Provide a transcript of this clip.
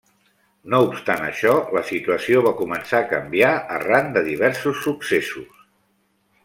No obstant això, la situació va començar a canviar arran de diversos successos.